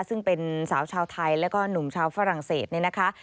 ซึ่งเป็นสาวชาวไทยแล้วก็หนุ่มชาวฝรั่งเศสเนี่ยนะคะ